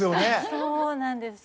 そうなんです。